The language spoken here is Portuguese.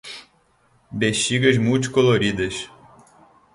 Bexigas multicoloridas